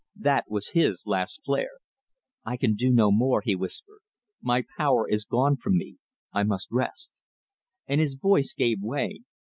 That was his last flare. "I can do no more," he whispered. "My power is gone from me; I must rest." And his voice gave way.